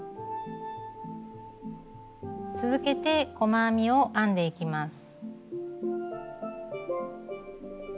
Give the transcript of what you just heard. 続けて細編みを編んでいきます。